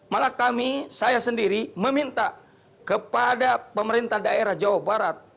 malah kami saya sendiri meminta kepada pemerintah daerah jawa barat